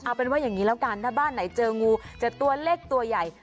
เอาเป็นว่าอย่างนี้แล้วกันถ้าบ้านไหนเจองูเจอตัวเล็กตัวใหญ่